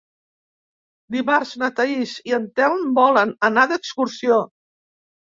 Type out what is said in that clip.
Dimarts na Thaís i en Telm volen anar d'excursió.